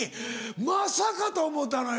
まさかと思うたのよ。